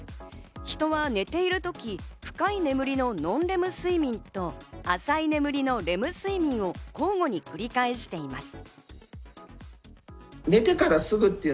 人は寝ている時、深い眠りのノンレム睡眠と浅い眠りのレム睡眠を交互に繰り返しています。